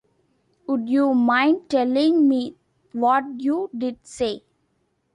Would you mind telling me what you'd say?